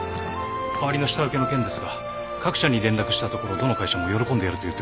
代わりの下請けの件ですが各社に連絡したところどの会社も喜んでやると言ってくれてます。